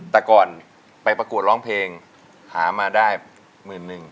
แต่ก่อนไปประกวดร้องเพลงหามาได้หมื่นหนึ่ง